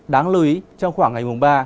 đáng lưu ý trong khoảng ngày mùng ba